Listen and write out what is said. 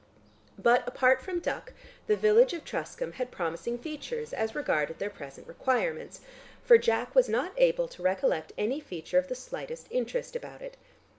But apart from duck, the village of Truscombe had promising features as regarded their present requirements, for Jack was not able to recollect any feature of the slightest interest about it.